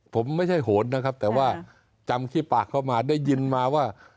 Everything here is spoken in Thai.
ผมไม่ใช่โหดนะครับแต่ว่าจำขี้ปากเข้ามาได้ยินมาว่า